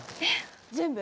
全部？